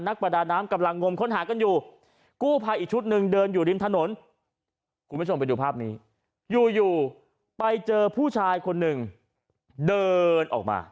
ประดาน้ำกำลังงมค้นหากันอยู่กู้ภัยอีกชุดหนึ่งเดินอยู่ริมถนนคุณผู้ชมไปดูภาพนี้อยู่อยู่ไปเจอผู้ชายคนหนึ่งเดินออกมา